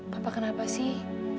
bapak kenapa sih